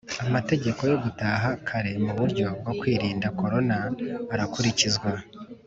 Amategeko yogutaha kare muburyo bwo kwirinda korona arakurikizwa